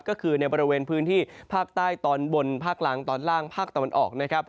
ก็คือในบริเวณพื้นที่ภาคใต้ตอนบนภาคกลางตอนล่างภาคตะวันออกนะครับ